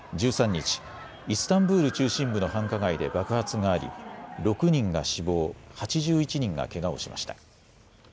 １３日、イスタンブール中心部の繁華街で爆発があり６人が死亡、８１人がけがをしました。